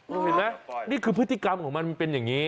คุณเห็นไหมนี่คือพฤติกรรมของมันเป็นอย่างนี้